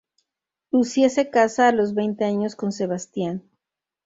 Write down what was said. Lucía se casa a los veinte años con Sebastián.